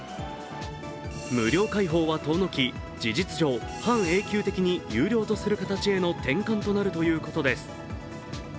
無料開放は遠のき、事実上、半永久的に有料とする形への転換となるということです。